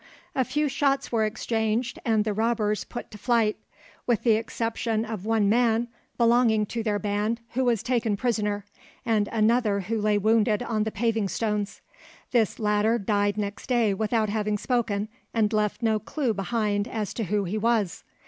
A few shots were exchanged and the robbers put to flight, with the exception of one man belonging to their band who was taken prisoner, and another who lay wounded on the paving stones. This latter died next day without having spoken, and left no clue behind as to who he was.